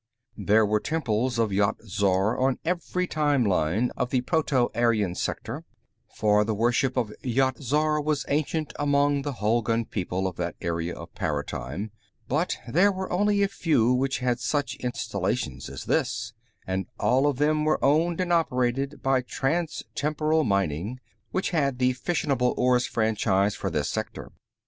There were temples of Yat Zar on every time line of the Proto Aryan Sector, for the worship of Yat Zar was ancient among the Hulgun people of that area of paratime, but there were only a few which had such installations as this, and all of them were owned and operated by Transtemporal Mining, which had the fissionable ores franchise for this sector.